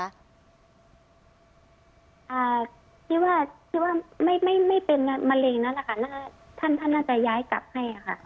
ที่ว่าที่ว่าไม่ไม่เป็นมะเร็งนั่นแหละค่ะท่านท่านน่าจะย้ายกลับให้ค่ะ